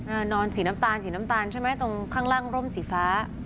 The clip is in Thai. นอนสีน้ำตาลสีน้ำตาลใช่ไหมตรงข้างล่างร่มสีฟ้า